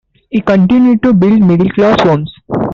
He continued to build middle-class homes.